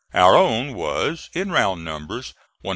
Our own was, in round numbers, 120,000.